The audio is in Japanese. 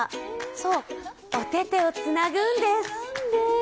そう、おててをつなぐんです。